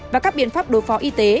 và các biến pháp đối phó y tế